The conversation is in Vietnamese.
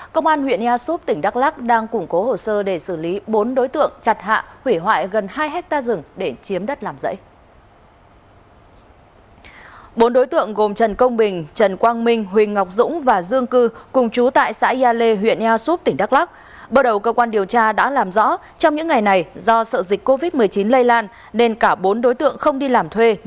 các bạn hãy đăng ký kênh để ủng hộ kênh của chúng mình nhé